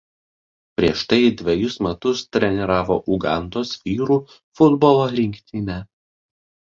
Prieš tai dvejus metus treniravo Ugandos vyrų futbolo rinktinę.